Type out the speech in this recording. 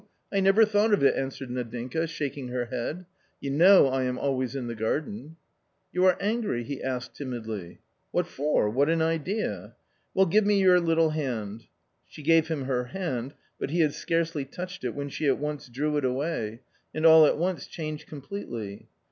I never thought of it !" answered Nadinka, shaking her head: — "You know I am always in the garden." " You are angry ?" he asked timidly. " What for? what an idea !"" Well, give me you little hand." She gave him her hand, but he had scarcely touched it when she at once drew it away — and all at once changed completely.